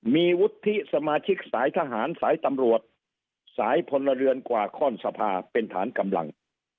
มีวุฒิสมาชิกสายทหารสายตำรวจสายพลเรือนกว่าข้อนสภาเป็นฐานกำลัง